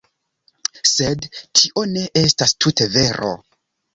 Sed tio ne estas tute vero.